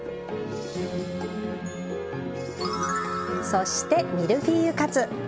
そしてミルフィーユカツ。